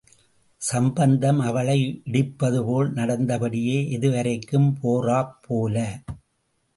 சம்பந்தம், அவளை இடிப்பதுபோல் நடந்தபடியே, எதுவரைக்கும் போறாப்போல?